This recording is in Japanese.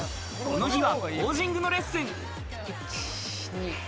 この日はポージングのレッスン。